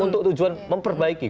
untuk tujuan memperbaiki